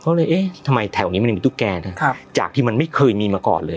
ก็เลยเอ๊ะทำไมแถวนี้มันยังมีตุ๊กแกนะจากที่มันไม่เคยมีมาก่อนเลย